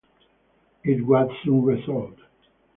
It was soon resold.